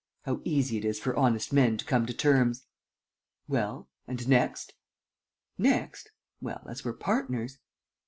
How easy it is for honest men to come to terms!" "Well ... and next?" "Next? Well, as we're partners